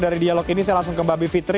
dari dialog ini saya langsung ke mbak bivitri